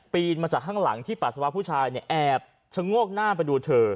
มาจากข้างหลังที่ปัสสาวะผู้ชายเนี่ยแอบชะโงกหน้าไปดูเธอ